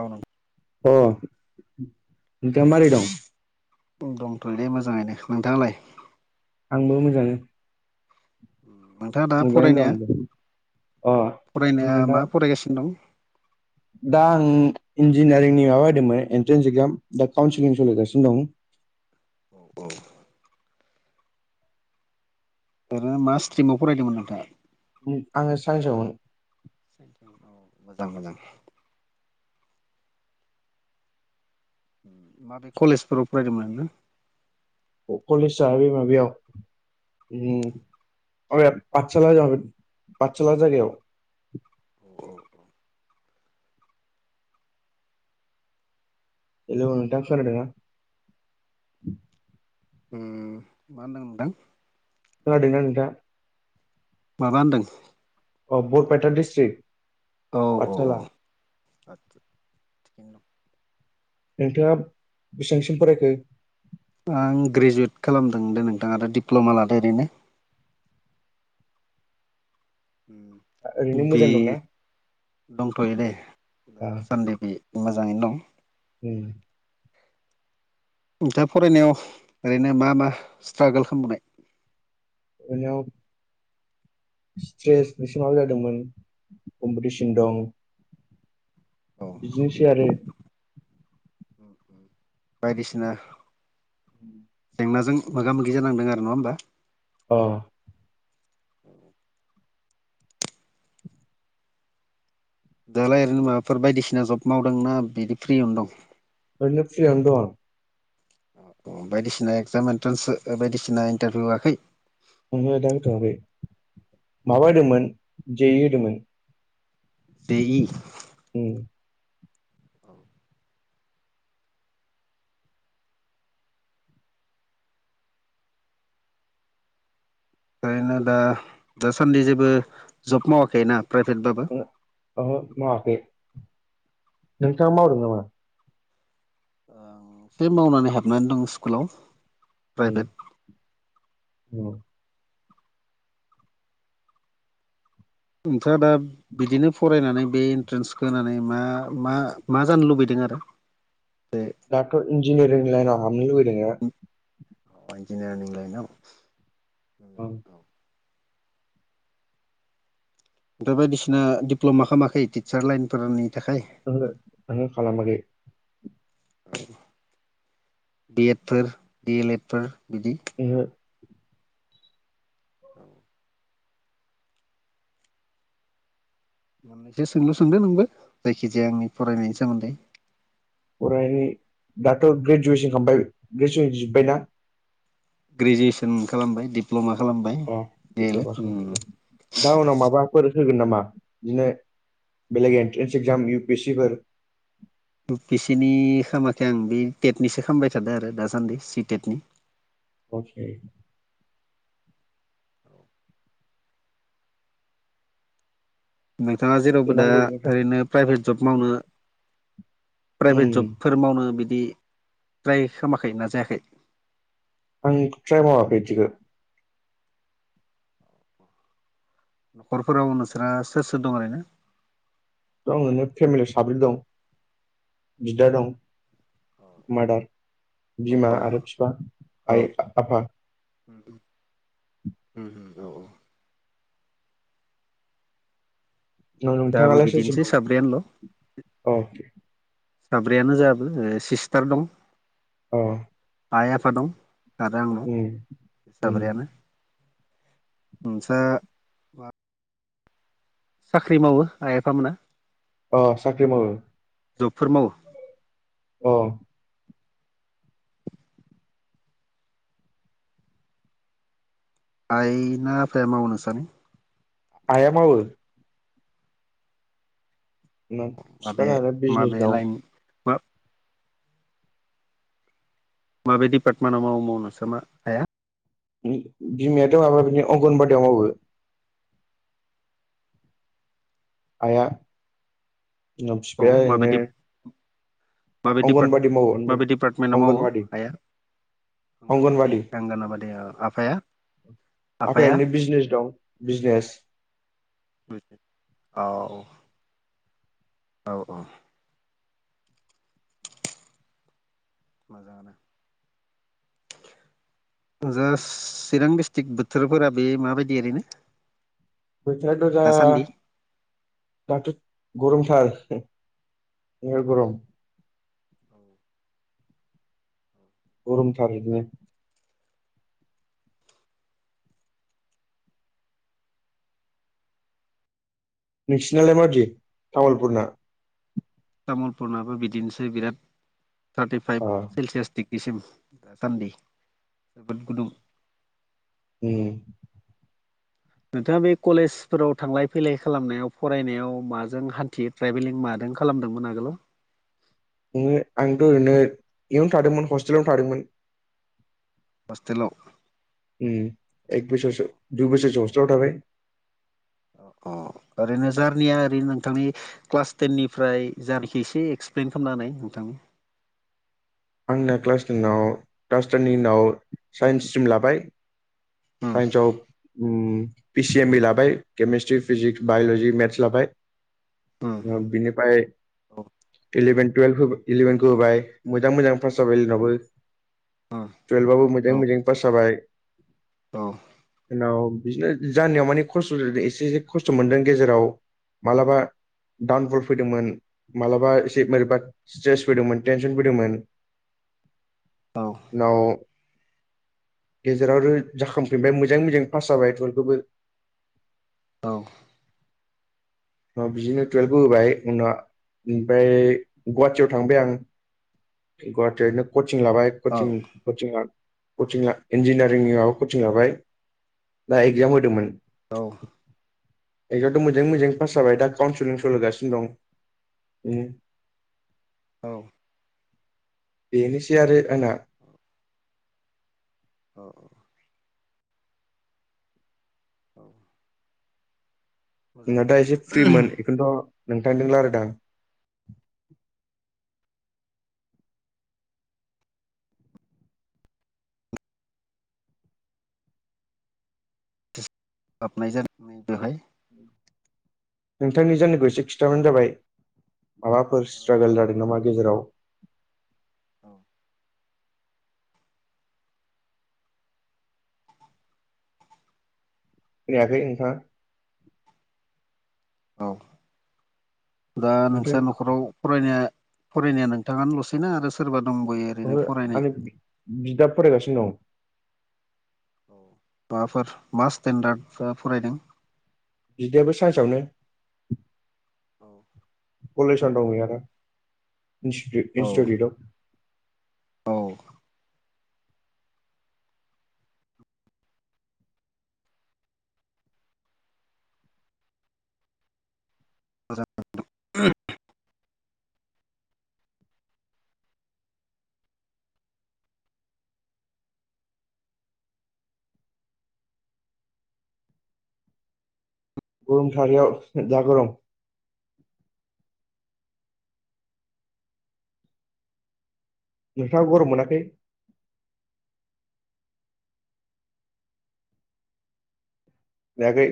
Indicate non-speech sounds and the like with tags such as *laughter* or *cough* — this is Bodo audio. ओव नों अ नोंथांआ मोरै दं? दंथ'योलै मोजाङैनो नोंथाङालाय? आंबो मोजाङानो नोंथाङा दा फरायनाया आंबो अ फरायनाया आङो दा मा फरायगासिनो दं? दा आं इन्जिनियारिंनि माबा होदोंमोन एनट्रेन्स एक्जाम दा काउन्सिलिं सोलिगासिनो दं। दा *inaudible* औ औ ओरैनो मा स्ट्रिमाव फरायदोंमोन नोंथांआ? उम आङो साइन्साआवमोन औ मोजां मोजां माबे कलेजफोराव फरायदोंमोन नो कलेजआ बे माबयाव आरे आदसोला जाबेद आदसोला जायगायाव अ औ हेल नोंथां खोनादोंना हम मा होनदों नोंथां? खोनादों ना नोंथांआ माबा होनदों? अ बरपेटा डस्ट्रिक्ट औ औ औ आदसा थिगैनो दं नोंथाङा बेसांसिम फरायखो? आं ग्रेजुवेट खालामदों दो नोंथाङ आरो दिप्ल'मा लादो ओरैनो उम ओरैनो बे मोजां दंना? दंथ'यो दे आ दासान्दे बे मोजाङैनो दं उ नोंथा फरायनायाव ओरैनो मा मा स्ट्रागोल खालामबोनाय *inaudible* स्ट्रेस बेसे माब जादोंमोन कम्पिटिशन दं बिदिनोसै आरो *unintelligible* बायदिसिना उ नाजों मोगा मोगि जानांदों आरो नङा होमबा अ *inaudible* दालाय ओरैनो माबाफोर बायदिसिना जब मावदोंनाा बिदि फ्रियावनो दं? नो फ्रियावनो दंआं अ अ बायदिसिना एगजाम एन्ट्रेन्स बायदिसिना इन्टारभिउ होआखै? ओंहो दा होथ'आखै माबा होदोंमोन जेइ होदोंमोन दैज उम औ। ओखायनो दा दासान्दि जेबो जब मावाखै ना प्राइभेटबाबो माखो नोंथाङा मावदों नामा एसे मावनानै हाबनानै दं स्कुलाव उम प्राइभेट औ नोंथाङा दा बिदिनो फरायनानै बे इन्ट्रेन्सखौ होनानै मा मा मा जानो लुबैदों आरो बे दडाथ' इन्जिनियारिं लाइनाव हाबनो लुबैदों औ इन्जनियारिं लइ ओं औ ओमफ्राय बायदिसिना दिप्ल'मा खालामाखै टिचार लाइनफोरनि थाखाय ङो ङो खालाम दै औ बि एड फोर बि एल एड फोर बिदि ओहो औ। मोनैसो सोंलु सोंदो नोंबो जायखिजाया आंनि फरायनायनि सोमोन्दै। फरायनाय दाथ' ग्रेजुवेसन खालामबाय ग्रेजुवेसन जोब्बायना ग्रेजुवेसन खालामबाय दिडप्ल'मा अ दा उनाव माबाफोर होगोन नामा बिदिनो बेलेग entrance exam U P S C फोर बेसेनि खालामाखै आं बे टेटनिसो ख खालामबाय थादों आरो दासान्दि सि टेटनि फौजे नोंथाङा जेरावबो दा नांगौ ओरैनो प्राइभेट जब मावनो प्राइभेट उम जबफोर मावनो बिदि ट्राय खाखै नाजायाखै--' आं मावा बेैदिखौ न'खरफोराव नोंसोरा सोर सोर दं आरैनो। औनो फेमिलि साब्रै दं। बिदा दं मारादार औ बिमा आरो औ बिफा आइ आफा औ औ *unintelligible* नोंथाङालाय सोर सोर बिदिनोसै साब्रैयानोल' दं अ। साब्रैयानो जाबो सिस्टार दं। औ। आइ आफा दं आरो आंनाव उम साब्रयानो *unintelligible* साख्रि मावो आइ आफा मोना। अ साख्रि मावो जबफोर मावो अ आइ ना आफाया मावनो सानै? आया मावो ना माबे बिफानानो बिजनेस माबे दं लाइन मा माबायदि पार्टमेन्टाव मावो मावनोसोमा हाया बिमायाथ'ङाबा बिदिनि अंगनबादियाव मावो। आइया नाव बिफाया नो माबे पार माबे डिपार्टमेन्टाव मावो अंगनबादि आइआ? अंगनबादि आंगनाबादिया आफाया? आफाया आफायाै बिजनेस दं बिजनेस। औ औ औ मोजाङानो *unintelligible* जास्ट चिरां डिस्ट्रिक बोथोरफोरा बे माबायदि ओरैनो बोथोराथ' दा दासान्दि दाथ' गरमथार जोबोर गरम गरम थार इदिनो नोंसिनालाय माबादि तामुलपुरनि? तामुलपुरनाबो बिदिनोसै बिराद थारतिफाइभ अ सेलसियास दिग दिग्रिसिम दासान्दि जोबोद गुदुं। उम नोंथाङा बे कलेजफोराव थांलाय फैलाय खालामनायाव फरायनायाव माजों हान्थियो ट्रेभेलिं मादों खालामदोंमोन आगोलाव नोङो आंथ' ओरैनो इयावनो थादोंमोन हस्टेलावनो थादोंमोन। हस्टेलाव उम एक बोसोरसो दुय बोसोरसो हसतेलाव थाबाय। अ अ। ओरैनो जारनिया ओरैनो नोंथांनि क्लास टेननिफ्राय जारनिखौ एसे एक्सप्लइेन खालामना होनाय नोंथां। *inaudible* आंना क्लास तेनाव क्लास टेननि उनाव साइन्स स्ट्रिम लाबाय उम सायनस आव उम पिसि एम इ लाबाय केमेस्ट्रि फिजिक्स बायल'जि मेथ्स लाबाय उम बिनिफ्राय औ इलिभेन टुवेल्भ इलेभेनखौ होबाय मोजां मोजां पास जाबाय इलेभेनावबो उम टुयेल्भ‌‌ आवबो औ मोजांयै मोजां पास जाबाय औ उनाव बिदिनो जानायाव माने खस्थ' एसे एसे खस्थ' मोनदों गेजेराव मालाबा डाउनफल फैदोंमोन मालाबा एसे बोरैबा स्ट्रेस फैदोंमोन टेनसन फैदोंमोन। औ उनाव गेजेराव आरो जाखांफिनबाय मोजाङै मोजां पास जाबाय टुवेल्थखौबो। औ। औ बिदिनो टुवेल्भबो होबाय उनाव ओमफ्राय गुवाहाटियाव थांबाय आं। गुवाहाटि ओरैनो कचिं लाबाय कचिं कचिं ला कचिं ‌ला इन्जिनियारिंनि माबा कचिं लाबाय दा एगजाम होदोंमोन। औ एक्जामाथ' मोजाङै मोजां पास जाबाय दा काउन्सिलिं सोलिगासिनो दं। उम। औ। बेनोसै आरो आंना। औ औ। औ नोंना मोजाङानो दा एसे फ्रिमोन बेखौनोथ' नोंथांजों रायलादों आं। हाबनाय जानानै बेहाय नोंथांनि जायखौ एसे खिथाबानो जाबाय माबाफोर स्ट्रागोल जादों नामा गेजेराव औ। खोनयाखै नोंथां। औ दा नोंस्रा नोंथां न'खराव फरायनाया फरायनाया नोंथाङानो ल'सैना आरो सोरबा दंबयो ओरैनो ओहो फरायनाय आंनि बिदा फरायगासिनो दं। माबाफोर मास स्टेन्डार्ड फरायदों? बिदानाबो सायन्सावनो औ। कलेजावनो दं बि आरो इन्स्टि औ इन्स्टिटिउटआव औ। मोजां नोंथां ओहम। *unintelligible* थारियाव जा गरम नोंथाङा गरम मोनाखै? खुनायाखै